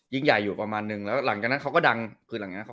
ยิ่งใหญ่อยู่ประมาณนึงแล้วหลังจากนั้นเขาก็ดังจริงนะ